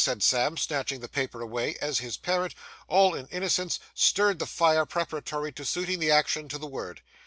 said Sam, snatching the paper away, as his parent, in all innocence, stirred the fire preparatory to suiting the action to the word.